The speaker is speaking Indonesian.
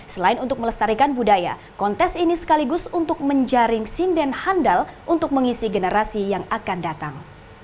selain untuk melestarikan budaya kontes ini sekaligus untuk menjaring sinden handal untuk mengisi generasi yang akan datang